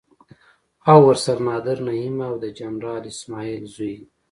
او ورسره نادر نعيم او د جنرال اسماعيل زوی.